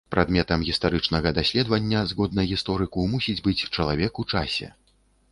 Прадметам гістарычнага даследвання згодна гісторыку мусіць быць чалавек у часе.